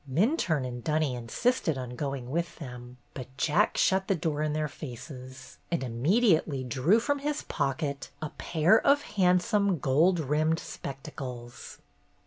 Minturne and Dunny insisted on going with them, but Jack shut the door in their faces, and immediately drew from his pocket a pair of handsome gold rimmed spectacles.